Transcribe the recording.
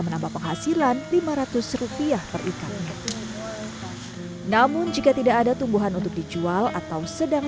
menambah penghasilan lima ratus rupiah per ikannya namun jika tidak ada tumbuhan untuk dijual atau sedang